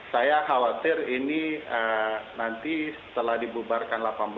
saya khawatir ini nanti setelah dibubarkan delapan belas